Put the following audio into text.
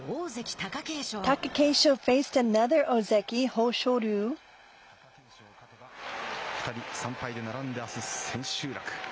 貴景勝、勝てば、２人、３敗で並んで、あす千秋楽。